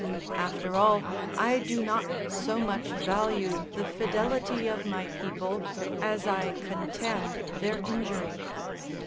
After all, I do not so much value the fidelity of my people as I contemn their injury.